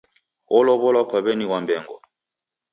Olow'olwa kwa w'eni Wambengo.